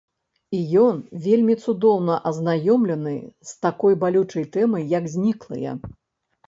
І ён вельмі цудоўна азнаёмлены з такой балючай тэмай, як зніклыя.